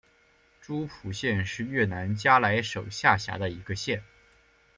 诸蒲县是越南嘉莱省下辖的一个县。